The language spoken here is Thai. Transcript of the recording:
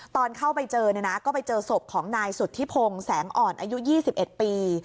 ตอนเข้าไปเจอเนี่ยนะก็ไปเจอศพของนายสุธิพงศ์แสงอ่อนอายุ๒๑ปี